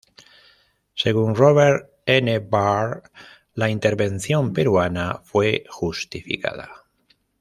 Según Robert N. Burr, la intervención peruana fue justificada.